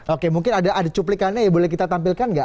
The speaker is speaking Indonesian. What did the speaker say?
oke mungkin ada cuplikannya ya boleh kita tampilkan nggak